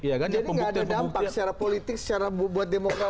jadi enggak ada dampak secara politik secara buat demokrasi